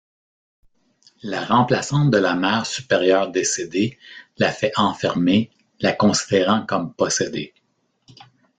La remplaçante de la Mère supérieure décédée la fait enfermer, la considérant comme possédée.